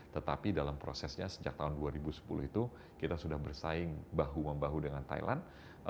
tetapi dalam prosesnya sejak tahun dua ribu sepuluh itu kita sudah bersaing bahu membahu dengan thailand